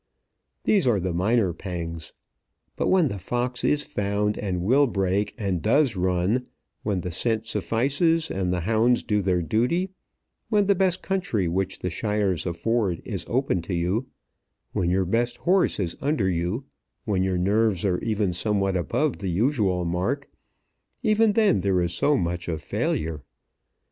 These are the minor pangs. But when the fox is found, and will break, and does run, when the scent suffices, and the hounds do their duty, when the best country which the Shires afford is open to you, when your best horse is under you, when your nerves are even somewhat above the usual mark, even then there is so much of failure!